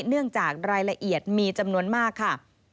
เนื่องจากรายละเอียดมีจำนวนมากค่ะ